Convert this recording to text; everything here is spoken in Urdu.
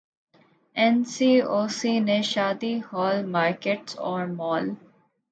این سی او سی نے شادی ہال، مارکیٹس اور مال